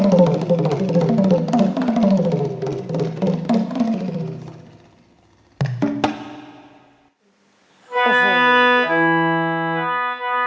ยังคงมีอัทธิวันอยู่ในเช็คโทรแรมครับ